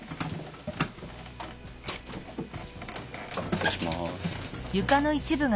失礼します。